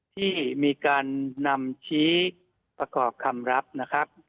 ที่มีการนำชี้ประกอบคำรับนะครับ